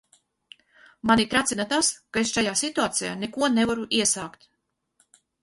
Mani tracina tas, ka es šajā situācijā neko nevaru iesākt.